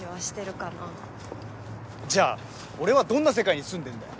じゃあ俺はどんな世界に住んでんだよ？